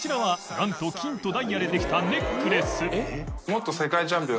なんと金とダイヤでできたネックレス大島）